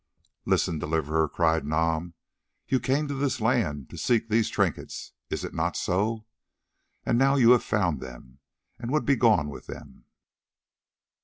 "Listen, Deliverer," cried Nam; "you came to this land to seek these trinkets, is it not so? And now you have found them and would be gone with them?